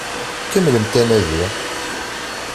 Kemmlemt anadi!